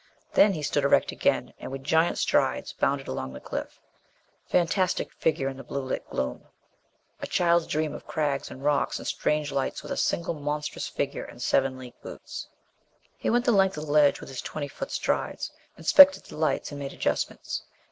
Then he stood erect again, and with giant strides bounded along the cliff. Fantastic figure in the blue lit gloom! A child's dream of crags and rocks and strange lights with a single monstrous figure in seven league boots. He went the length of the ledge with his twenty foot strides, inspected the lights, and made adjustments.